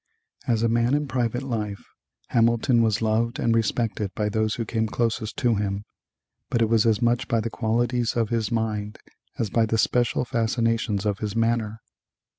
As a man in private life, Hamilton was loved and respected by those who came closest to him, but it was as much by the qualities of his mind as by the special fascinations of his manner.